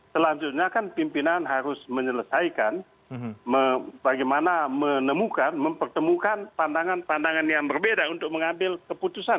selanjutnya kan pimpinan harus menyelesaikan bagaimana menemukan mempertemukan pandangan pandangan yang berbeda untuk mengambil keputusan